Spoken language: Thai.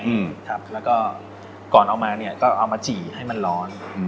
แล้วก็ก่อนเอามาเนี่ยก็เอามาจีกให้มันร้อน